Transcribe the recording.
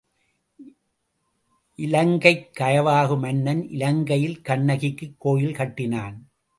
இலங்கைக் கயவாகு மன்னன் இலங்கையில் கண்ணகிக்குக் கோயில் கட்டினான்.